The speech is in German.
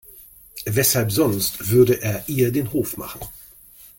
Weshalb sonst würde er ihr den Hof machen?